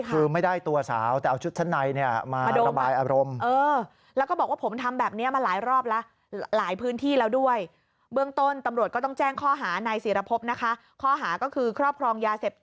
คือไม่ได้ตัวสาวแต่เอาชุดชั้นในมาระบายอารมณ์